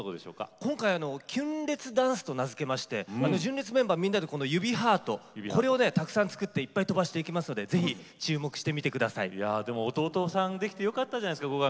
今回キュン烈ダンスと名付けまして純烈メンバー指ハートをたくさん作って飛ばしていきますので弟さんできてよかったじゃないですか。